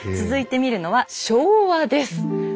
続いて見るのは昭和です。